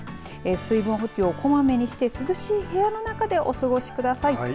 水分補給をこまめにして涼しい部屋の中でお過ごしください。